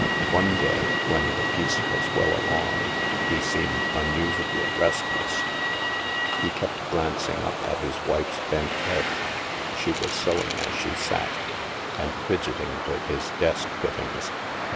One day, when the piece was well along, he seemed unusually restless. He kept glancing up at his wife's bent head (she was sewing as she sat) and fidgeting with his desk fittings.